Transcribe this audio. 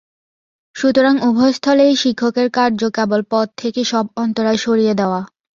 সুতরাং উভয় স্থলেই শিক্ষকের কার্য কেবল পথ থেকে সব অন্তরায় সরিয়ে দেওয়া।